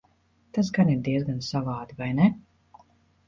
Tas gan ir diezgan savādi, vai ne?